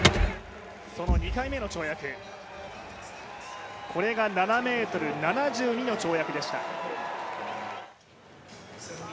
その２回目の跳躍、これが７ｍ７２の跳躍でした。